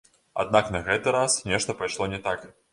Аднак на гэты раз нешта пайшло не так.